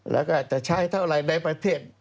แล้วก็จะใช้เท่าไหร่ในประเทศ